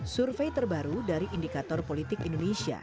survei terbaru dari indikator politik indonesia